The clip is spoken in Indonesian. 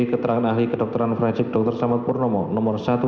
keterangan ahli kedokteran forensik dr samad purnomo no satu enam belas